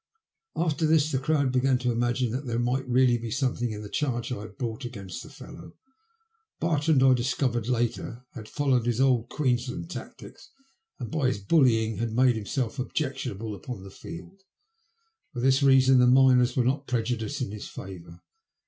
After this, the crowd began to imagine that there might really be something in the charge I had brought against the fellow. Bartrand, I dis covered later, had followed his old Queensland tactics, and by his bullying had made himself objectionable upon the field. For this reason the miners were not prejudiced in his favour.